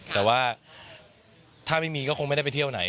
แต่ว่าถ้าไม่มีก็คงไม่ได้ไปเที่ยวไหน